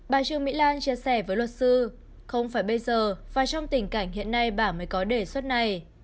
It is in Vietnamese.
bà trương mỹ lan chia sẻ với luật sư không phải bây giờ và trong tình cảnh hiện nay bà mới có đề xuất này